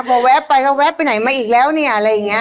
พอแวะไปก็แวะไปไหนมาอีกแล้วเนี่ยอะไรอย่างนี้